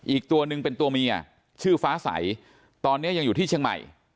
อีกตัวหนึ่งเป็นตัวเมียชื่อฟ้าใสตอนนี้ยังอยู่ที่เชียงใหม่